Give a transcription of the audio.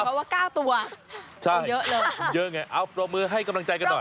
เพราะว่าเก้าตัวช่างเยอะเลยเยอะไงเอาปรบมือให้กำลังใจกันหน่อย